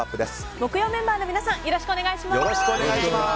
木曜メンバーの皆さんよろしくお願いします。